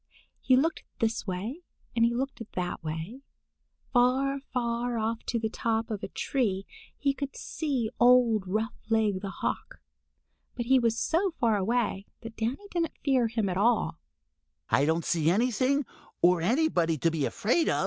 He looked this way and he looked that way. Far, far off on the top of a tree he could see old Roughleg the Hawk, but he was so far away that Danny didn't fear him at all.